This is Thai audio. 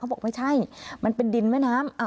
บอกไม่ใช่มันเป็นดินแม่น้ำ